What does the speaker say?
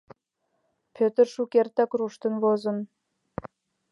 Пӧтыр шукертак руштын возын.